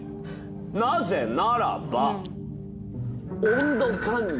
なぜならば！